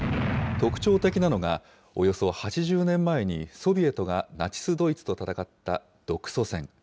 特徴的なのがおよそ８０年前にソビエトがナチス・ドイツと戦った独ソ戦。